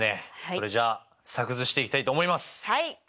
それじゃあ作図していきたいと思います。